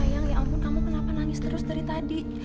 sayang ya ampun kamu kenapa nangis terus dari tadi